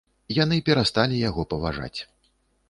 Яны перасталі яго паважаць.